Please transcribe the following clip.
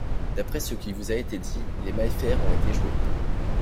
D'après ce qui vous a été dit, les Maillefert ont été joués.